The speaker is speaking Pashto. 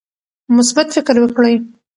مثبت فکر وکړئ.